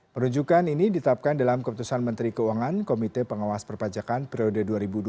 penunjukkan ini ditapkan dalam keputusan menteri keuangan komite pengawas perpajakan periode dua ribu dua puluh tiga dua ribu dua puluh enam